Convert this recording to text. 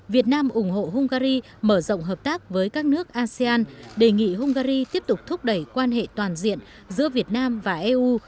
việt nam ủng hộ hungary mở rộng hợp tác với các nước asean đề nghị hungary tiếp tục thúc đẩy quan hệ toàn diện giữa việt nam và eu